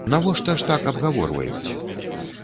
Навошта ж так абгаворваюць?